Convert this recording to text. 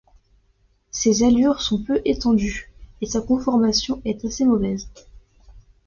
Ses allures sont peu étendues, et sa conformation est assez mauvaise.